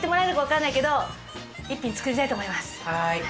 はい。